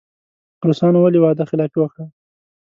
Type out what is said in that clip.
روسانو ولې وعده خلافي وکړه.